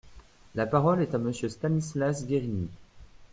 La parole est à Monsieur Stanislas Guerini.